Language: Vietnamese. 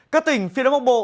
các tỉnh phía đông bắc bộ